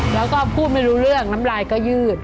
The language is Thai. แล้วก็พูดไม่รู้เรื่องน้ำลายก็ยืด